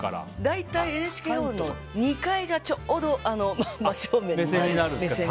大体、ＮＨＫホールの２階がちょうど真正面に、目線が。